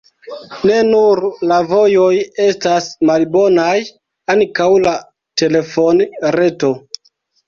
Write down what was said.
Ne nur la vojoj estas malbonaj, ankaŭ la telefonreto.